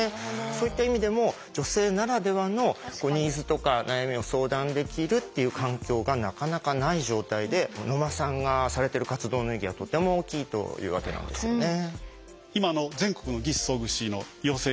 そういった意味でも女性ならではのニーズとか悩みを相談できるっていう環境がなかなかない状態で野間さんがされてる活動の意義はとても大きいというわけなんですよね。